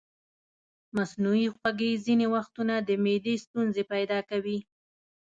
مصنوعي خوږې ځینې وختونه د معدې ستونزې پیدا کوي.